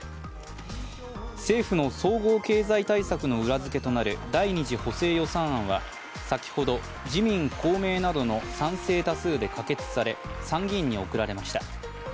政府の総合経済対策の裏づけとなる政府の第２次補正予算案は先ほど、自民、公明などの賛成多数で可決され、参議院に送られました。